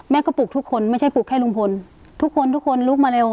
แม่ก็ปลูกทุกคนไม่ใช่ปลูกแค่ลุงพลทุกคนทุกคนลุกมาเร็ว